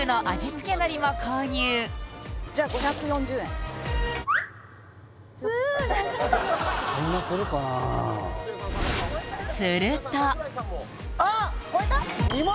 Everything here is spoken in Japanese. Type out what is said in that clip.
付のりも購入じゃあ５４０円超えた？